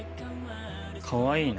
かわいいな。